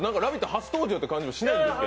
初登場という感じがしないですけど。